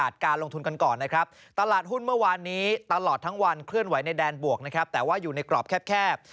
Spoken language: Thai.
ช่วงวันเคลื่อนไหวในแดนบวกนะครับแต่ว่าอยู่ในกรอบแคบ